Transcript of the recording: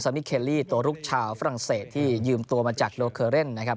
มิเคลลี่ตัวลุกชาวฝรั่งเศสที่ยืมตัวมาจากโลเคอเรนนะครับ